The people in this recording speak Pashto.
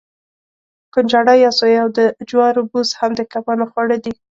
کنجاړه یا سویا او د جوارو بوس هم د کبانو خواړه دي.